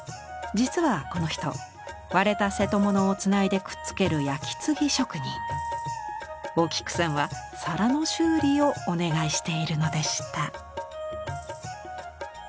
実はこの人割れた瀬戸物をつないでくっつけるお菊さんは皿の修理をお願いしているのでした。